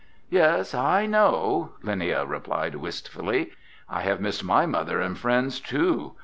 "Yes, I know," Linnia replied wistfully. "I have missed my mother and friends too.